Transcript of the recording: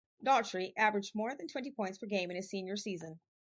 Daugherty averaged more than twenty points per game in his senior season.